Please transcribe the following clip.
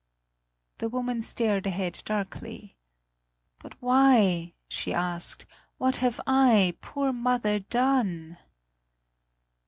The woman stared ahead darkly: "But why?" she asked; "what have I, poor mother, done?"